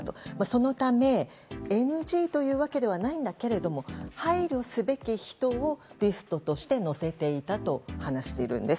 そのため、ＮＧというわけではないんだけれども配慮すべき人をリストとして載せていたと話しているんです。